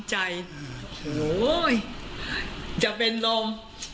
โห้ยจะเป็นลม